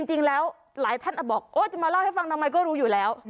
จริงแล้วหลายท่านบอกโอ๊ยจะมาเล่าให้ฟังทำไมก็รู้อยู่แล้ว